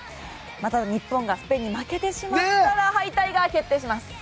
また、日本がスペインに負けてしまったら敗退が決定します。